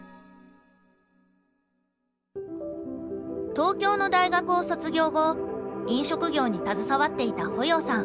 東京の大学を卒業後飲食業に携わっていた保要さん。